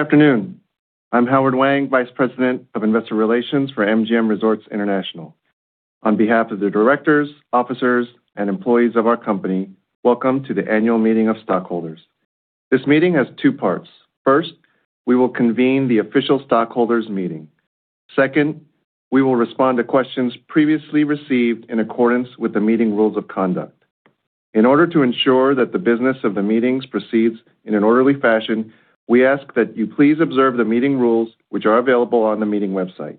Good afternoon. I'm Howard Wang, Vice President of Investor Relations for MGM Resorts International. On behalf of the directors, officers, and employees of our company, welcome to the annual meeting of stockholders. This meeting has two parts. First, we will convene the official stockholders meeting. Second, we will respond to questions previously received in accordance with the meeting rules of conduct. In order to ensure that the business of the meetings proceeds in an orderly fashion, we ask that you please observe the meeting rules which are available on the meeting website.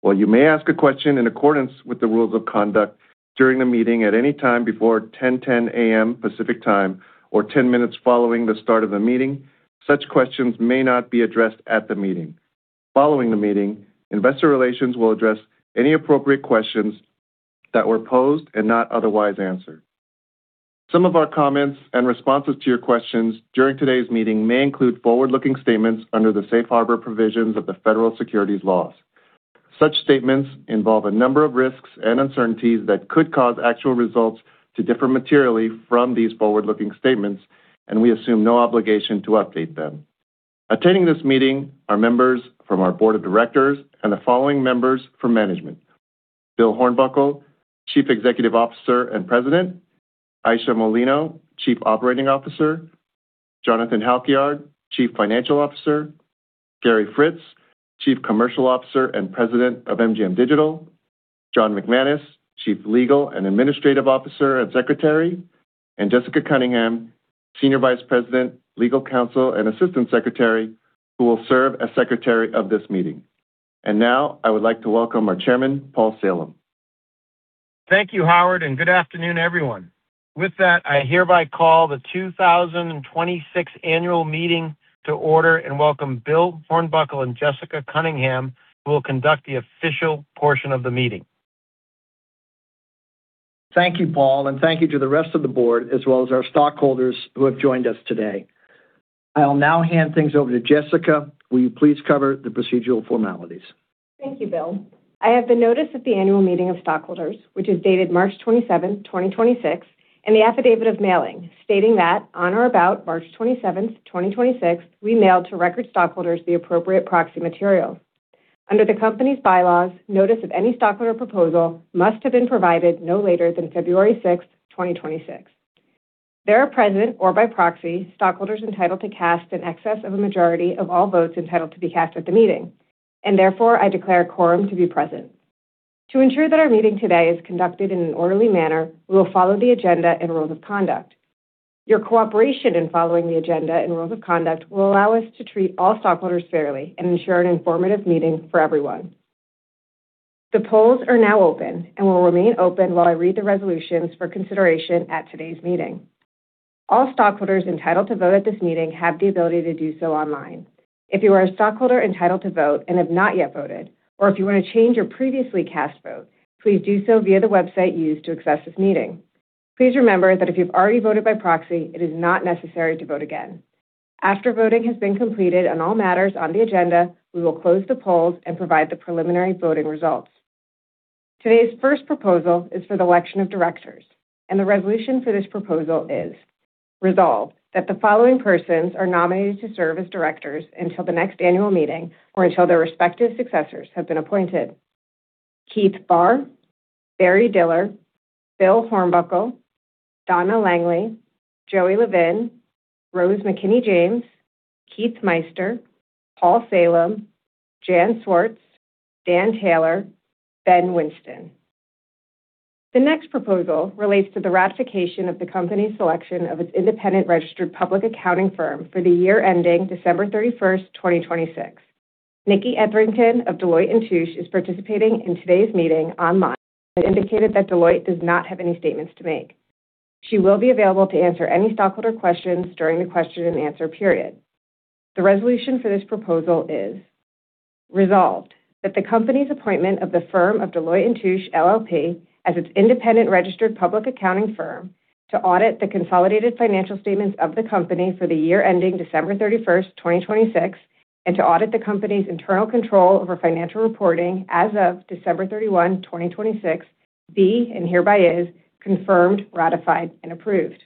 While you may ask a question in accordance with the rules of conduct during the meeting at any time before 10:10 A.M. Pacific Time or 10 minutes following the start of the meeting, such questions may not be addressed at the meeting. Following the meeting, investor relations will address any appropriate questions that were posed and not otherwise answered. Some of our comments and responses to your questions during today's meeting may include forward-looking statements under the safe harbor provisions of the Federal Securities laws. Such statements involve a number of risks and uncertainties that could cause actual results to differ materially from these forward-looking statements, and we assume no obligation to update them. Attending this meeting are members from our board of directors and the following members from management: Bill Hornbuckle, Chief Executive Officer and President, Ayesha Molino, Chief Operating Officer, Jonathan Halkyard, Chief Financial Officer, Gary Fritz, Chief Commercial Officer and President of MGM Digital, John McManus, Chief Legal and Administrative Officer and Secretary, and Jessica Cunningham, Senior Vice President, Legal Counsel, and Assistant Secretary, who will serve as Secretary of this meeting. Now I would like to welcome our Chairman, Paul Salem. Thank you, Howard, and good afternoon, everyone. With that, I hereby call the 2026 annual meeting to order and welcome Bill Hornbuckle and Jessica Cunningham, who will conduct the official portion of the meeting. Thank you, Paul, and thank you to the rest of the Board as well as our stockholders who have joined us today. I will now hand things over to Jessica. Will you please cover the procedural formalities? Thank you, Bill. I have the notice at the annual meeting of stockholders, which is dated March 27th, 2026, and the affidavit of mailing, stating that on or about March 27th, 2026, we mailed to record stockholders the appropriate proxy material. Under the company's bylaws, notice of any stockholder proposal must have been provided no later than February 6th, 2026. There are present or by proxy stockholders entitled to cast in excess of a majority of all votes entitled to be cast at the meeting, and therefore, I declare quorum to be present. To ensure that our meeting today is conducted in an orderly manner, we will follow the agenda and rules of conduct. Your cooperation in following the agenda and rules of conduct will allow us to treat all stockholders fairly and ensure an informative meeting for everyone. The polls are now open and will remain open while I read the resolutions for consideration at today's meeting. All stockholders entitled to vote at this meeting have the ability to do so online. If you are a stockholder entitled to vote and have not yet voted, or if you want to change your previously cast vote, please do so via the website used to access this meeting. Please remember that if you've already voted by proxy, it is not necessary to vote again. After voting has been completed on all matters on the agenda, we will close the polls and provide the preliminary voting results. Today's first proposal is for the election of directors, and the resolution for this proposal is resolved that the following persons are nominated to serve as directors until the next annual meeting or until their respective successors have been appointed. Keith Barr, Barry Diller, Bill Hornbuckle, Donna Langley, Joey Levin, Rose McKinney-James, Keith Meister, Paul Salem, Jan Swartz, Dan Taylor, Ben Winston. The next proposal relates to the ratification of the company's selection of its independent registered public accounting firm for the year ending December 31st, 2026. Nikki Etherington of Deloitte & Touche is participating in today's meeting online and indicated that Deloitte does not have any statements to make. She will be available to answer any stockholder questions during the question and answer period. The resolution for this proposal is resolved that the company's appointment of the firm of Deloitte & Touche LLP as its independent registered public accounting firm to audit the consolidated financial statements of the company for the year ending December 31st, 2026 and to audit the company's internal control over financial reporting as of December 31, 2026 be and hereby is confirmed, ratified, and approved.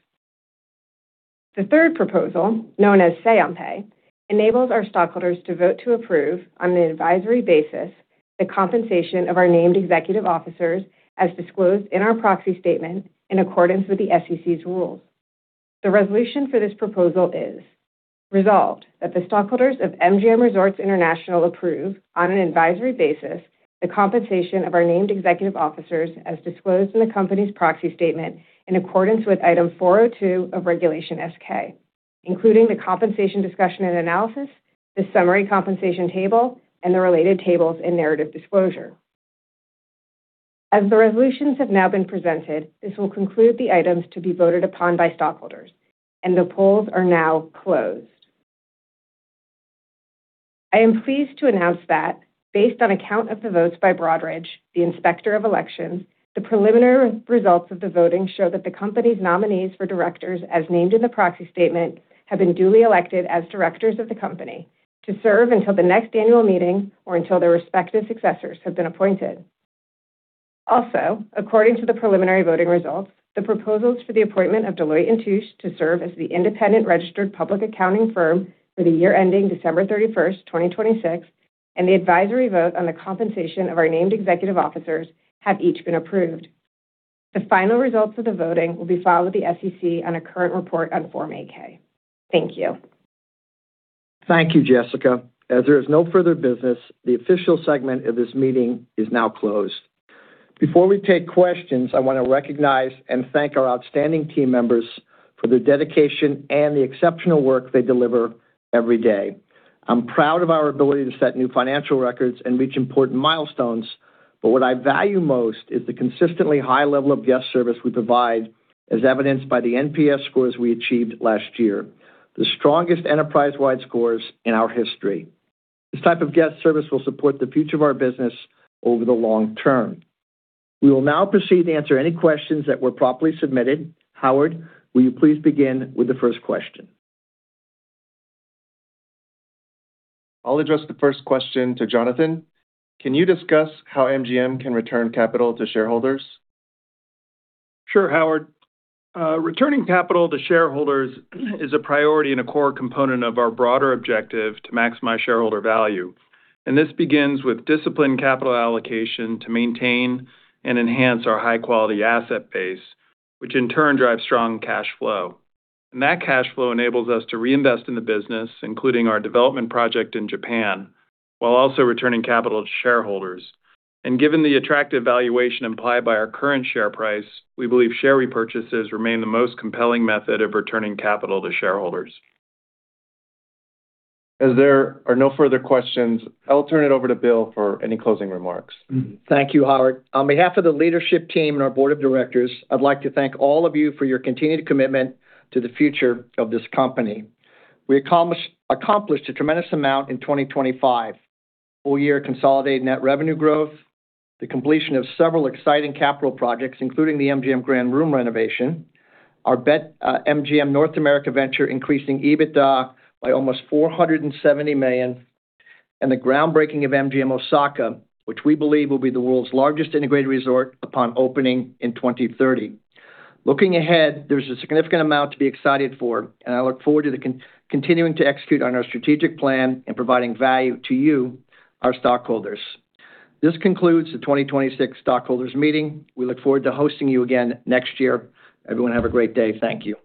The third proposal, known as Say on Pay, enables our stockholders to vote to approve on an advisory basis the compensation of our named executive officers as disclosed in our proxy statement in accordance with the SEC's rules. The resolution for this proposal is resolved that the stockholders of MGM Resorts International approve on an advisory basis the compensation of our named executive officers as disclosed in the company's proxy statement in accordance with item 402 of Regulation S-K, including the compensation discussion and analysis, the summary compensation table, and the related tables and narrative disclosure. As the resolutions have now been presented, this will conclude the items to be voted upon by stockholders, and the polls are now closed. I am pleased to announce that based on a count of the votes by Broadridge, the Inspector of Elections, the preliminary results of the voting show that the company's nominees for directors as named in the proxy statement have been duly elected as directors of the company to serve until the next annual meeting or until their respective successors have been appointed. Also, according to the preliminary voting results, the proposals for the appointment of Deloitte & Touche to serve as the independent registered public accounting firm for the year ending December 31st, 2026, and the advisory vote on the compensation of our named executive officers have each been approved. The final results of the voting will be filed with the SEC on a current report on Form 8-K. Thank you. Thank you, Jessica. As there is no further business, the official segment of this meeting is now closed. Before we take questions, I wanna recognize and thank our outstanding team members for their dedication and the exceptional work they deliver every day. I'm proud of our ability to set new financial records and reach important milestones, but what I value most is the consistently high level of guest service we provide, as evidenced by the NPS scores we achieved last year, the strongest enterprise-wide scores in our history. This type of guest service will support the future of our business over the long term. We will now proceed to answer any questions that were properly submitted. Howard, will you please begin with the first question? I'll address the first question to Jonathan. Can you discuss how MGM can return capital to shareholders? Sure, Howard. Returning capital to shareholders is a priority and a core component of our broader objective to maximize shareholder value. This begins with disciplined capital allocation to maintain and enhance our high-quality asset base, which in turn drives strong cash flow. That cash flow enables us to reinvest in the business, including our development project in Japan, while also returning capital to shareholders. Given the attractive valuation implied by our current share price, we believe share repurchases remain the most compelling method of returning capital to shareholders. As there are no further questions, I'll turn it over to Bill for any closing remarks. Thank you, Howard. On behalf of the leadership team and our board of directors, I'd like to thank all of you for your continued commitment to the future of this company. We accomplished a tremendous amount in 2025. Full year consolidated net revenue growth, the completion of several exciting capital projects, including the MGM Grand room renovation, our BetMGM North America venture increasing EBITDA by almost $470 million, and the groundbreaking of MGM Osaka, which we believe will be the world's largest integrated resort upon opening in 2030. Looking ahead, there's a significant amount to be excited for, and I look forward to the continuing to execute on our strategic plan and providing value to you, our stockholders. This concludes the 2026 stockholders meeting. We look forward to hosting you again next year. Everyone have a great day. Thank you.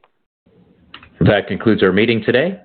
That concludes our meeting today.